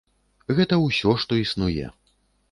Гэта ўсё што існуе.